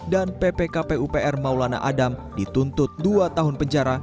dan ppkpupr maulana adam dituntut dua tahun penjara